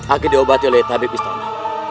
akan diobati oleh tabik istana